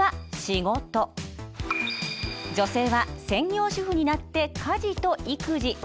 女性は専業主婦になって家事と育児。